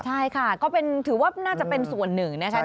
ใช่ค่ะก็ถือว่าน่าจะเป็นส่วนหนึ่งนะคะ